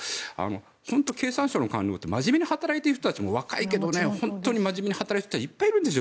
本当、経産省の官僚って真面目に働いている人たちも若いけれど本当に真面目に働いている人もいっぱいいるんですよ